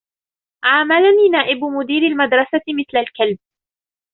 عاملني نائب مدير المدرسة مثل الكلب.